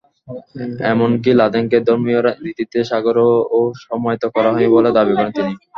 এমনকি লাদেনকে ধর্মীয় রীতিতে সাগরেও সমাহিত করা হয়নি বলে দাবি করেন তিনি।